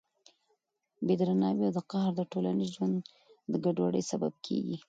بې درناوي او قهر د ټولنیز ژوند د ګډوډۍ سبب کېږي.